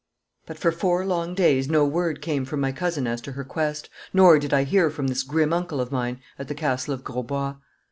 But for four long days no word came from my cousin as to her quest, nor did I hear from this grim uncle of mine at the Castle of Grosbois.